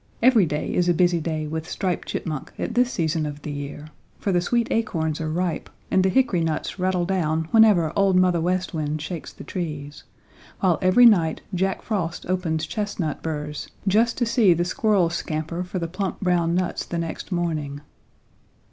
Every day is a busy day with Striped Chipmunk at this season of the year, for the sweet acorns are ripe and the hickory nuts rattle down whenever Old Mother West Wind shakes the trees, while every night Jack Frost opens chestnut burrs just to see the squirrels scamper for the plump brown nuts the next morning.